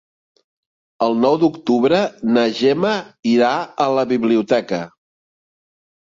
El nou d'octubre na Gemma irà a la biblioteca.